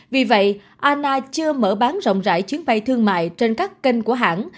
vì vậy ana chưa mở bán rộng rãi chuyến bay thương mại trên các kênh của hãng